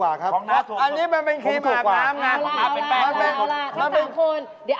อ้าวแล้ว๓อย่างนี้แบบไหนราคาถูกที่สุด